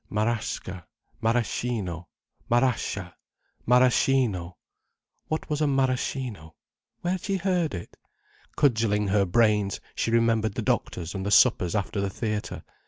Marasca—maraschino. Marasca! Maraschino! What was maraschino? Where had she heard it. Cudgelling her brains, she remembered the doctors, and the suppers after the theatre.